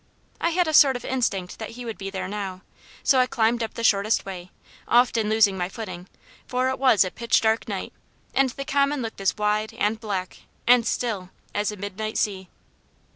I had a sort of instinct that he would be there now; so I climbed up the shortest way, often losing my footing; for it was a pitch dark night, and the common looked as wide, and black, and still, as a midnight sea.